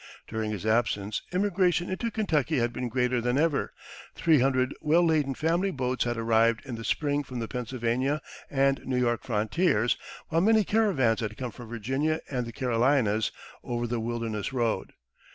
During his absence immigration into Kentucky had been greater than ever; three hundred well laden family boats had arrived in the spring from the Pennsylvania and New York frontiers, while many caravans had come from Virginia and the Carolinas over the Wilderness Road.